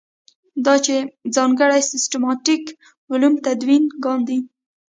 دا چې ځانګړي سیسټماټیک علوم تدوین کاندي.